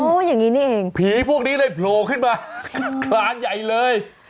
อย่างนี้นี่เองผีพวกนี้เลยโผล่ขึ้นมาคลานใหญ่เลย